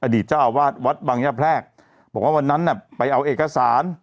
เจ้าอาวาสวัดบังย่าแพรกบอกว่าวันนั้นน่ะไปเอาเอกสาร